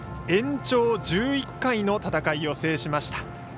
延長１１回の戦いを制しました。